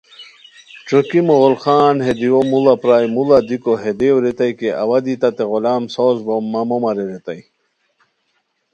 ݯوکی مغل خان ہے دیوؤ موڑا پرائے، موڑا دیکو ہے دیو ریتائے کی اوا دی تتے غلام ساؤز بوم مہ مو مارے ریتائے